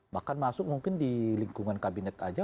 bahkan masuk mungkin di lingkungan kabinet aja